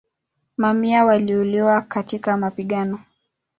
Mamia waliuawa katika mapigano.